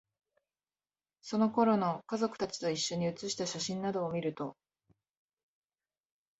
その頃の、家族達と一緒に写した写真などを見ると、